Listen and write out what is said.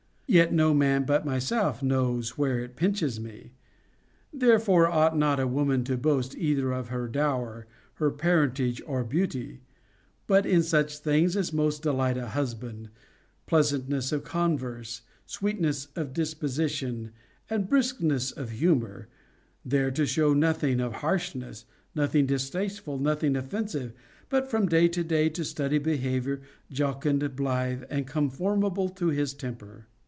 — yet no man but myself knows where it pinches me. Therefore ought not a woman to boast either of her dower, her parentage, or beauty ; but in such things as most delight a husband, pleasantness of converse, sweetness of disposition, and briskness of humor, there to show nothing of harshness, nothing distasteful, nothing offensive, but from day to day to study behavior jocund, blithe, and conformable to his temper.